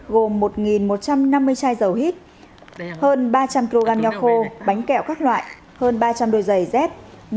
gồm một một trăm năm mươi chai dầu hít hơn ba trăm linh kg nho khô bánh kẹo các loại hơn ba trăm linh đôi giày dép